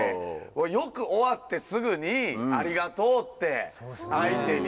よく終わってすぐに、ありがとうって、相手に。